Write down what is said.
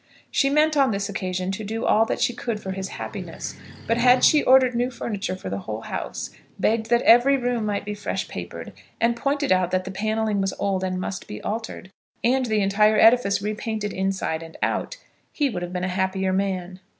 She meant on this occasion to do all that she could for his happiness, but had she ordered new furniture for the whole house, begged that every room might be fresh papered, and pointed out that the panelling was old and must be altered, and the entire edifice re painted inside and out, he would have been a happier man.